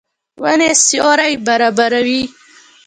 ونې سیوری برابروي.